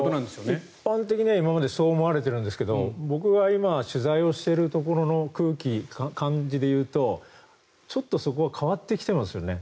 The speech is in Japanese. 一般的には今までそう思われているんですけど僕が今、取材をしているところの空気、感じでいうとちょっとそこが変わってきてますよね。